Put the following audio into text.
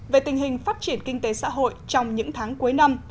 về tình hình phát triển kinh tế xã hội trong những tháng cuối năm